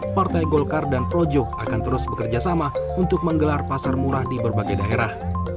partai golkar dan projok akan terus bekerjasama untuk menggelar pasar murah di berbagai daerah